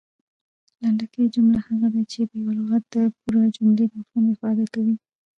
لنډکۍ جمله هغه ده، چي یو لغت د پوره جملې مفهوم افاده کوي.